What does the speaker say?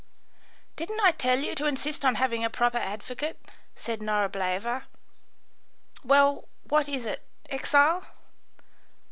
"Didn't I tell you to insist on having a proper advocate?" said Norableva. "Well, what is it? Exile?"